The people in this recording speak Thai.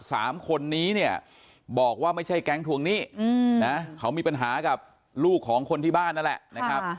สามคนนี้เนี่ยบอกว่าไม่ใช่แก๊งทวงหนี้นะเขามีปัญหากับลูกของคนที่บ้านนั่นแหละนะครับ